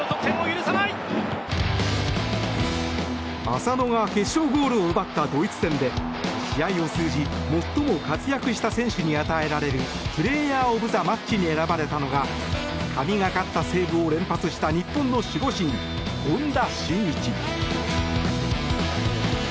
浅野が決勝ゴールを奪ったドイツ戦で試合を通じ最も活躍した選手に与えられるプレーヤー・オブ・ザ・マッチに選ばれたのが神懸かったセーブを連発した日本の守護神、権田修一。